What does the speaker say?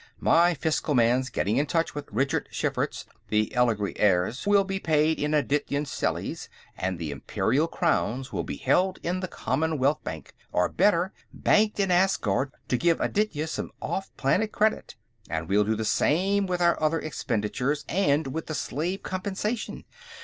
"My fiscal man's getting in touch with Ridgerd Schferts; the Elegry heirs will be paid in Adityan stellies, and the Imperial crowns will be held in the Commonwealth Bank, or, better, banked in Asgard, to give Aditya some off planet credit. And we'll do the same with our other expenditures, and with the slave compensation.